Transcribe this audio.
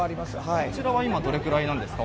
こちらは今、お値段どれくらいですか？